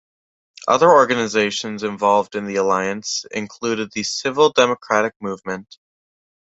Other organizations involved in the alliance included the Civil Democratic Movement.